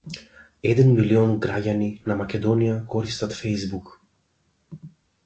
Еден милион граѓани на Македонија користат Фејсбук.